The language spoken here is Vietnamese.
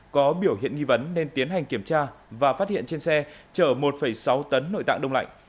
có biểu hiện nghi vấn nên tiến hành kiểm tra và phát hiện trên xe chở một sáu tấn nội tạng đông lạnh